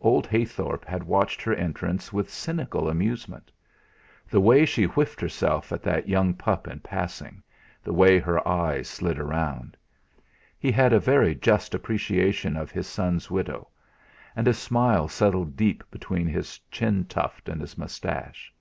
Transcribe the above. Old Heythorp had watched her entrance with cynical amusement. The way she whiffed herself at that young pup in passing, the way her eyes slid round! He had a very just appreciation of his son's widow; and a smile settled deep between his chin tuft and his moustache.